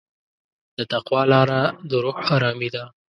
د تقوی لاره د روح ارامي ده.